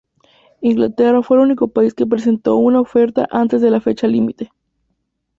Inglaterra fue el único país que presentó una oferta antes de la fecha límite.